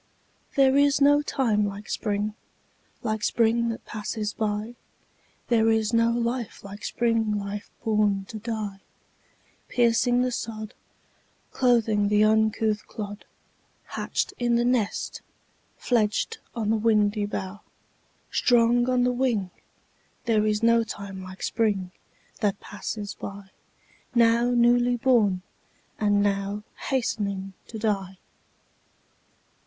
There is no time like Spring, Like Spring that passes by; There is no life like Spring life born to die, Piercing the sod, Clothing the uncouth clod, Hatched in the nest, Fledged on the windy bough, Strong on the wing: There is no time like Spring that passes by, Now newly born, and now Hastening to die.